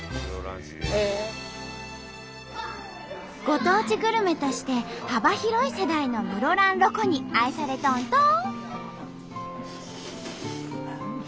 ご当地グルメとして幅広い世代の室蘭ロコに愛されとんと。